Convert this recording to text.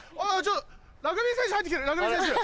ラグビー選手入ってきたラグビー選手。